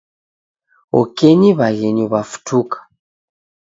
Okenyi w'aghenyu w'afutuka